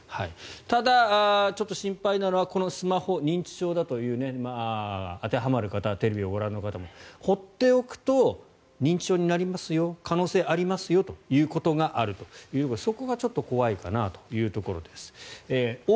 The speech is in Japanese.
ただ、心配なのはスマホ認知症に当てはまる方テレビをご覧の方も放っておくと認知症になりますよ可能性がありますよということがあるということでそこが怖いかなというところです。